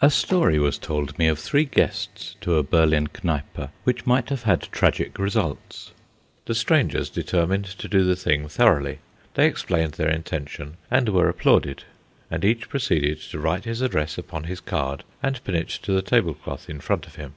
A story was told me of three guests to a Berlin Kneipe which might have had tragic results. The strangers determined to do the thing thoroughly. They explained their intention, and were applauded, and each proceeded to write his address upon his card, and pin it to the tablecloth in front of him.